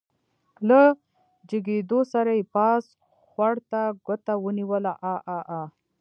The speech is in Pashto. له جګېدو سره يې پاس خوړ ته ګوته ونيوله عاعاعا.